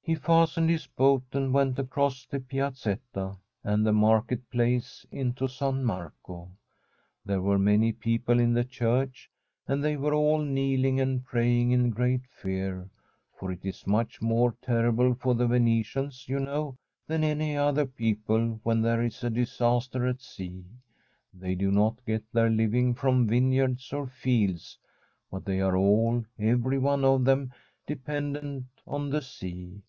He fastened his boat, and went across the Piazetta and the Market Place into San Marco. There were many people in the church, and they were all kneeling and praying in great fear ; for it is much more terrible for the Venetians, you know, than any other people when there is a disaster at sea. They do not get their living from vineyards or fields, but they are all, every one of them, dependent on the sea.